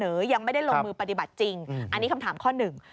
ยังไม่ได้ลงมือปฏิบัติจริงอันนี้คำถามข้อหนึ่ง